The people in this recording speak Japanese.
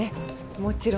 もちろん。